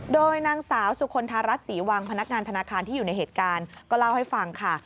โดยนางสาวสุคลธารัฐศรีวังพนักงานธนาคารที่อยู่ในเหตุการณ์ก็เล่าให้ฟังค่ะ